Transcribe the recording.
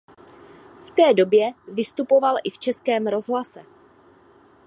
V té době vystupoval i v českém rozhlase.